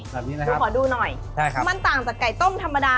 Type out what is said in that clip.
แบบนี้นะครับคุณขอดูหน่อยมันต่างจากไก่ต้มธรรมดา